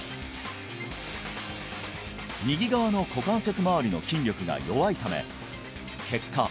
右側の股関節まわりの筋力が弱いため結果